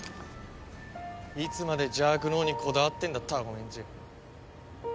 いつまで邪悪の王にこだわってんだタコメンチ。